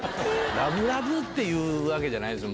ラブラブっていうわけじゃないですよ。